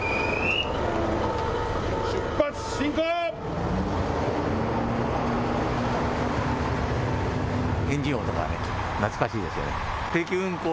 出発進行！